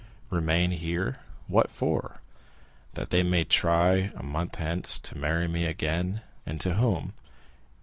Remain here? What for?—that they may try, a month hence, to marry me again; and to whom?